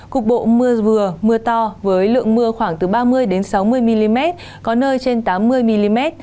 cục bộ mưa vừa mưa to với lượng mưa khoảng từ ba mươi sáu mươi mm có nơi trên tám mươi mm